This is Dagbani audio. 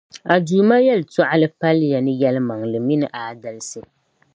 A Duuma yεltɔɣali paliya ni yεlimaŋli mini aadalsi.